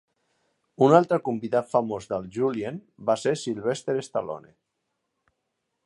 Un altre convidat famós del Julien va ser Sylvester Stallone.